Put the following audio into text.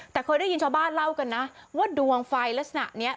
แต่เคยได้ยินชาวบ้านเล่ากันนะว่าดวงไฟลักษณะนี้